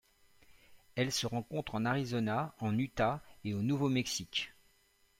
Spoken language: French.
Elle se rencontre en Arizona, en Utah et au Nouveau-Mexique.